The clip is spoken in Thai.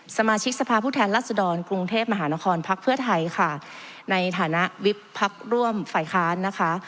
สมาชิกสภาพผู้แทนรัศดรกรุงเทพมหานครพักเพื่อไทยค่ะในฐานะวิบพักร่วมฝ่ายค้านนะคะ